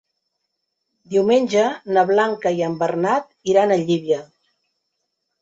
Diumenge na Blanca i en Bernat iran a Llívia.